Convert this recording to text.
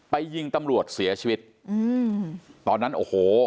ยิงตำรวจเสียชีวิตอืมตอนนั้นโอ้โห